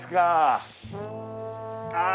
ああ！